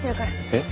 えっ？